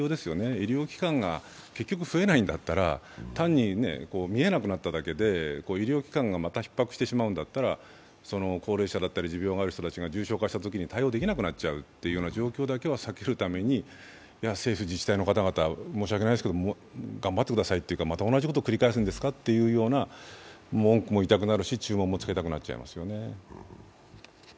医療機関が結局増えないんだったら、単に見えなくなっただけで、医療機関がまたひっ迫してしまうんだったら、高齢者だったり持病がある人たちが重症化したときに対応できなくなっちゃうということを避けるために政府、自治体の方々申し訳ないですけど、頑張ってくださいというか、また同じことを繰り返すんですかという文句も言いたくなるし注文もつけたくなりますよね。